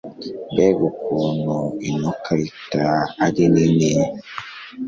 mbega ukuntu inokarita arinini